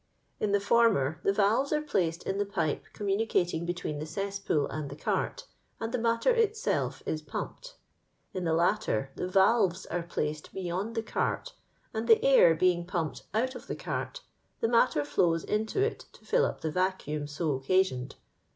In the former, the valves are placed in the pipe com municating between the cesspool and the cart, and the matter itself is pumped. In the latter, the valves are placed beyond the cart, and the air being pumped out of the cart, the matter flows into it to fill up the vacuum so occa sioned.